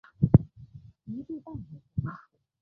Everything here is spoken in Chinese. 一度半海峡。